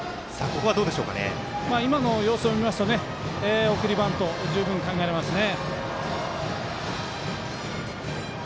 今の様子を見ますと送りバント、十分考えられますね。